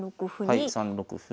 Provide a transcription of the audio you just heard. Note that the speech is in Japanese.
はい３六歩。